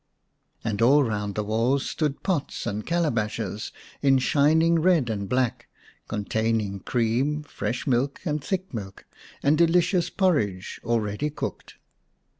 And all round the walls stood pots and calabashes in shining red and black, containing cream, fresh milk and thick milk, and delicious porridge already cooked.